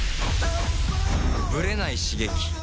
ブレない刺激